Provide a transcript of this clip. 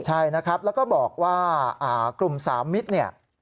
ใช่นะครับแล้วก็บอกว่ากลุ่มสามมิตรเนี่ย